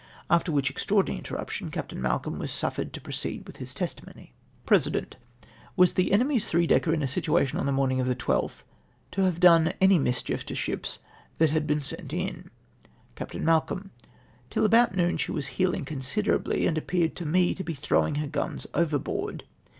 After which extraordinaiy interruption Captain Malcolm was suf fered to proceed with his testimony. President. —■" Was the enemy's three decker in a situation on the morning of the 12th to have done any mischief to ships that had been sent in ?" Capt. Malcolm. —" Till about noon she was heeling con siderably, and appeared to me to be throwing her guns overboard.